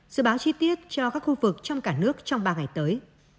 dự báo chi tiết cho các khu vực trong cả nước trong ba ngày tới